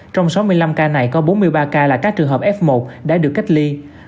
trong sáu mươi năm ca này có bốn mươi ba ca là các trường hợp f một đã được cách ly